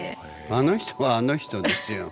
あの人はあの人ですよ。